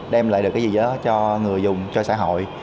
đem lại được cái gì đó cho người dùng cho xã hội